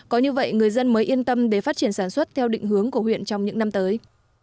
có như vậy người dân mới yên tâm để phát triển sản xuất theo định hướng của huyện trong những năm tới